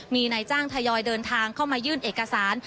มีนายจ้างทยอยเดินทางเข้ามายื่นเอกสาร